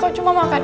terus aku gimana